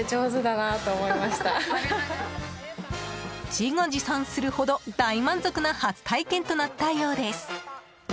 自画自賛するほど大満足な初体験となったようです。